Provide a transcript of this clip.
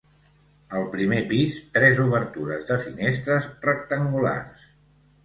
Al primer pis, tres obertures de finestres rectangulars.